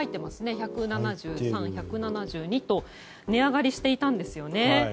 １７３、１７２と値上がりしていたんですよね。